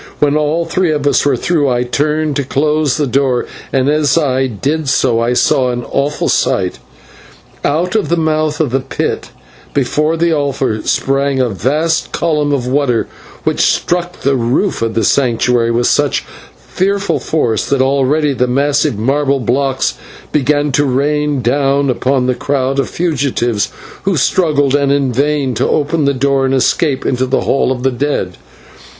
When all three of us were through I turned to close the door, and as I did so I saw an awful sight. Out of the mouth of the pit before the altar sprang a vast column of water, which struck the roof of the Sanctuary with such fearful force that already the massive marble blocks began to rain down upon the crowd of fugitives, who struggled and in vain to open the door and escape into the Hall of the Dead.